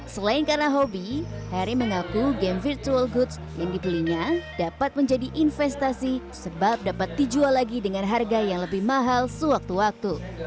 selain karena hobi harry mengaku game virtual goods yang dibelinya dapat menjadi investasi sebab dapat dijual lagi dengan harga yang lebih mahal sewaktu waktu